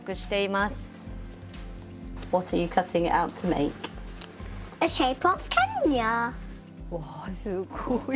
すごい。